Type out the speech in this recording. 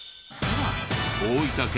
大分県